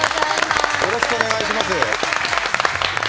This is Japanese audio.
よろしくお願いします。